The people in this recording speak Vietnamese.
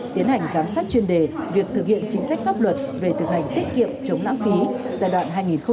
tiến hành giám sát chuyên đề việc thực hiện chính sách pháp luật về thực hành tiết kiệm chống lãng phí giai đoạn hai nghìn một mươi sáu hai nghìn hai mươi